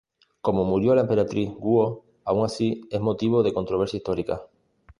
Cómo murió la emperatriz Guo, aun así, es motivo de controversia histórica.